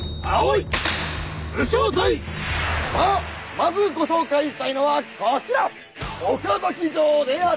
まずご紹介したいのはこちら岡崎城である。